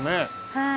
はい。